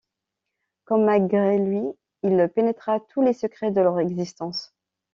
Comme malgré lui, il pénétra tous les secrets de leur existence.